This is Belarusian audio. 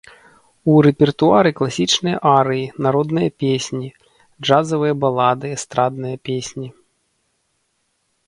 У рэпертуары класічныя арыі, народныя песні, джазавыя балады, эстрадныя песні.